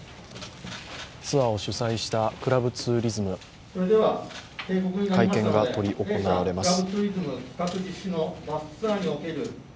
ツアーを主催したクラブツーリズム、会見が執り行われます。